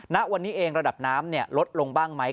ณวันนี้เองระดับน้ำลดลงบ้างไหม